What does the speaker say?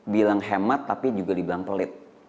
bilang hemat tapi juga dibilang pelit